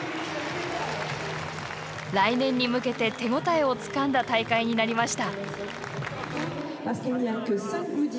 来年に向けて手応えをつかんだ大会になりました。